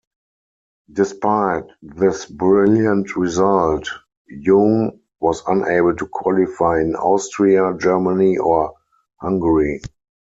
Despite this brilliant result, Yoong was unable to qualify in Austria, Germany or Hungary.